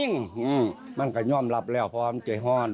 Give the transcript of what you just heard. มันถือว่าน่าจำรวจใจห้อน